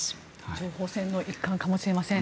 情報戦の一環かもしれません。